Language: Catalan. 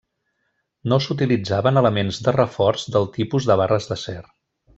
No s'utilitzaven elements de reforç del tipus de barres d'acer.